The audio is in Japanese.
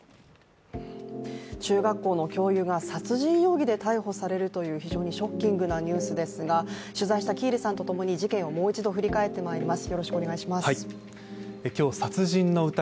中学校の教諭が殺人容疑で逮捕されるという非常にショッキングなニュースですが取材した喜入さんとともに事件をもう一度振り返ってまいります。